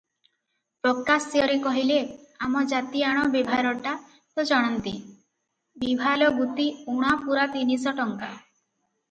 ପ୍ରକାଶ୍ୟରେ କହିଲେ- ଆମ ଜାତିଆଣ ବେଭାରଟା ତ ଜାଣନ୍ତି, ବିଭାଲଗୁତି ଊଣା ପୂରା ତିନିଶ ଟଙ୍କା ।